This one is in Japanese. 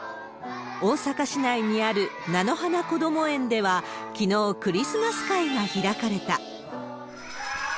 大阪市内にあるなのはなこども園では、きのう、クリスマス会が開かれた。